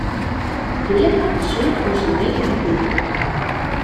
Geart hat in soad orizjinele ideeën.